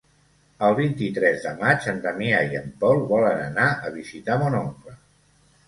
El vint-i-tres de maig en Damià i en Pol volen anar a visitar mon oncle.